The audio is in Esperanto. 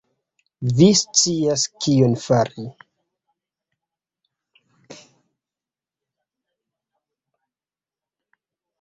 Vi scias kion fari!